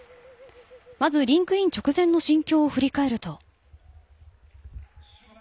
まずリンクイン直前の心境を振り返ると。